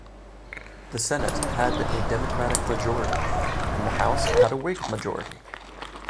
The Senate had a Democratic majority, and the House had a Whig majority.